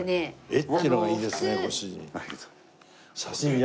絵っていうのがいいですねご主人。